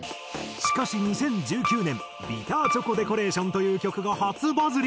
しかし２０１９年『ビターチョコデコレーション』という曲が初バズり。